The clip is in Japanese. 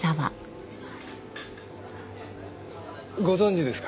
ご存じですか？